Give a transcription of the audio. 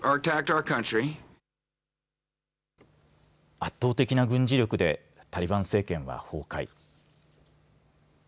圧倒的な軍事力でタリバン政権は崩壊。